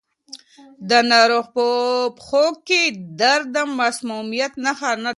د ناروغ په پښو کې درد د مسمومیت نښه نه ده.